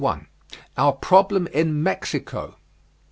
OUR PROBLEM IN MEXICO.